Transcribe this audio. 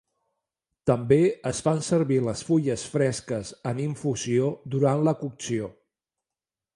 També es fan servir les fulles fresques en infusió durant la cocció.